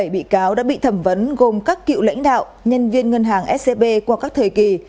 bảy mươi bị cáo đã bị thẩm vấn gồm các cựu lãnh đạo nhân viên ngân hàng scb qua các thời kỳ